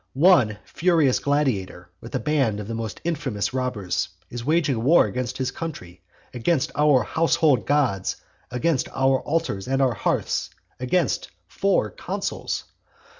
One furious gladiator, with a band of most infamous robbers, is waging war against his country, against our household gods, against our altars and our hearths, against four consuls.